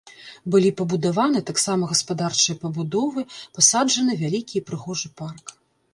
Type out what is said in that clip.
Былі пабудаваны таксама гаспадарчыя пабудовы, пасаджаны вялікі і прыгожы парк.